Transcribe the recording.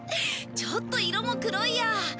ちょっと色も黒いや。